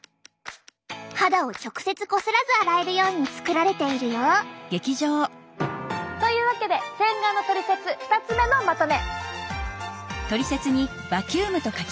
肌を直接こすらず洗えるように作られているよ。というわけで洗顔のトリセツ２つ目のまとめ。